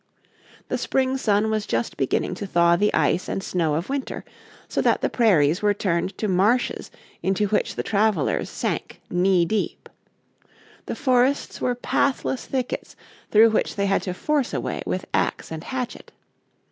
The spring sun was just beginning to thaw the ice and snow of winter, so that the prairies were turned to marshes into which the travelers sank knee deep. The forests were pathless thickets through which they had to force a way with axe and hatchet.